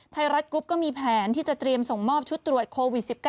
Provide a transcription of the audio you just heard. ไทยรัฐกรุ๊ปก็มีแผนที่จะเตรียมส่งมอบชุดตรวจโควิด๑๙